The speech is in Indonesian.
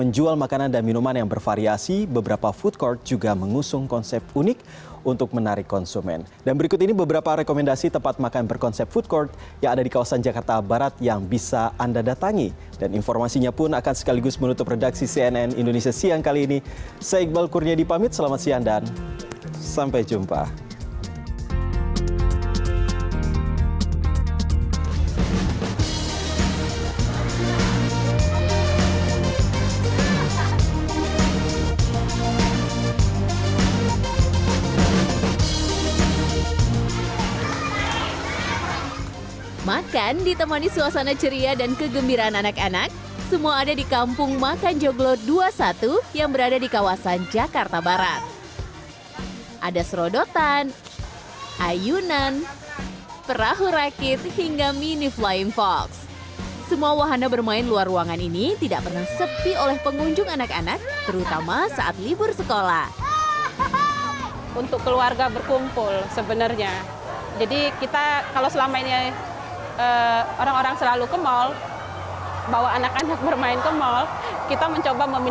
jadi kita kalau selama ini orang orang selalu ke mal bawa anak anak bermain ke mal kita mencoba memindahkan itu ke kampung makan